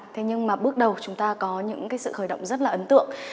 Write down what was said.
thế nhưng mà bước đầu chúng ta có những sự khởi động rất là ấn tượng